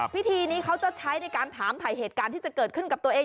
พิธีนี้เขาจะใช้ในการถามถ่ายเหตุการณ์ที่จะเกิดขึ้นกับตัวเอง